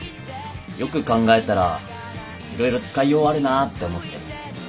よく考えたら色々使いようあるなって思って。